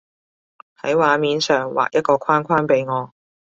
喺畫面上畫一個框框畀我